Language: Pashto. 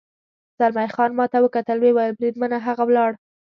زلمی خان ما ته وکتل، ویې ویل: بریدمنه، هغه ولاړ.